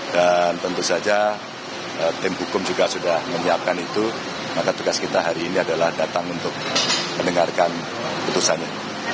dan tentu saja tim hukum juga sudah menyiapkan itu maka tugas kita hari ini adalah datang untuk mendengarkan putusannya